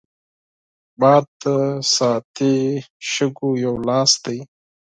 باد د ساعتي شګو یو لاس دی